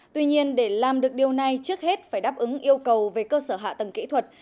tuy nhiên để làm được điều này trước hết phải đáp ứng yêu cầu về cơ sở hạ tầng kỹ thuật